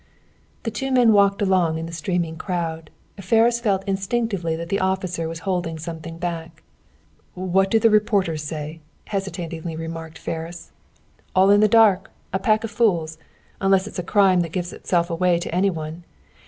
The two men walked along in the streaming crowd. Ferris felt instinctively that the officer was holding something back. "What do the reporters say?" hesitating remarked Ferris. "All in the dark a pack of fools unless it's a crime that gives itself away to any one.